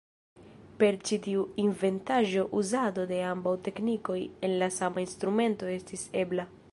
Per ĉi tiu inventaĵo uzado de ambaŭ teknikoj en la sama instrumento estis ebla.